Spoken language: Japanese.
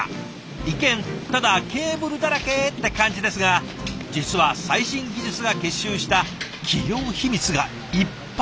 一見ただケーブルだらけって感じですが実は最新技術が結集した企業秘密がいっぱいなんだそうです。